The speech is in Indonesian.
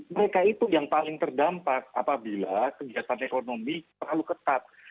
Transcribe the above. mereka itu yang paling terdampak apabila kegiatan ekonomi terlalu ketat